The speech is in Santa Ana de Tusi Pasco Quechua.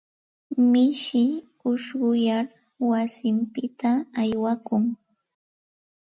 Mishi ushquyar wasinpita aywakun.